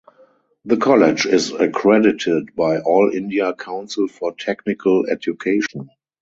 The college is accredited by All India Council for Technical Education.